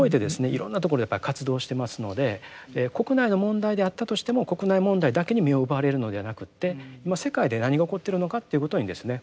いろんなところで活動してますので国内の問題であったとしても国内問題だけに目を奪われるのではなくて今世界で何が起こっているのかということにですね